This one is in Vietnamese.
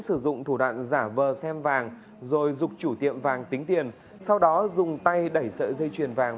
sử dụng thủ đoạn giả vờ xem vàng rồi rục chủ tiệm vàng tính tiền sau đó dùng tay đẩy sợi dây chuyền vàng